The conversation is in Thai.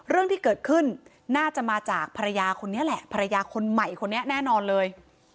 เรื่องที่เกิดขึ้นน่าจะมาจากภรรยาคนนี้แหละภรรยาคนใหม่คนนี้แน่นอนเลย